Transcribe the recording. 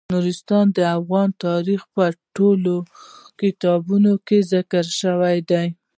نورستان د افغان تاریخ په ټولو کتابونو کې ذکر شوی دی.